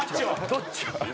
どっちが。